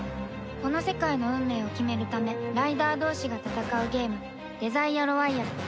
この世界の運命を決めるためライダー同士が戦うゲームデザイアロワイヤル